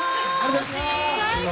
最高。